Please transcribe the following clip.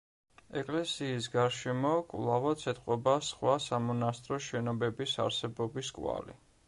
ეკლესიის გარშემო, კვლავაც ეტყობა სხვა სამონასტრო შენობების არსებობის კვალი.